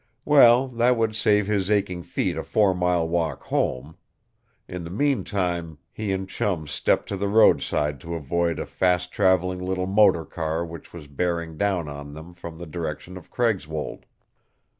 Well, that would save his aching feet a four mile walk home. In the meantime He and Chum stepped to the roadside to avoid a fast traveling little motor car which was bearing down on them from the direction of Craigswold.